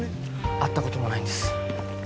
会ったこともないんです